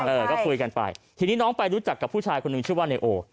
เออก็คุยกันไปทีนี้น้องไปรู้จักกับผู้ชายคนหนึ่งชื่อว่านายโอ